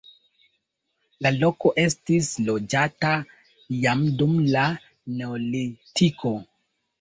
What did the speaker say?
La loko estis loĝata jam dum la neolitiko.